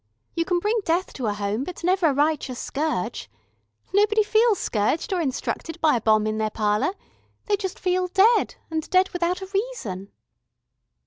You can bring death to a home, but never a righteous scourge. Nobody feels scourged or instructed by a bomb in their parlour, they just feel dead, and dead without a reason."